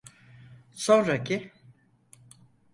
Sonraki!